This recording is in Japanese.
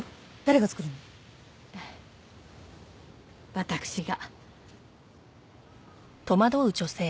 私が。